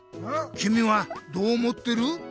きみはどう思ってる？